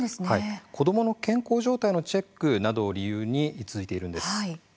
子どもの健康状態のチェックなどを理由に続いているんです。